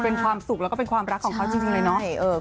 เป็นความสุขแล้วก็เป็นความรักของเขาจริงเลยเนาะ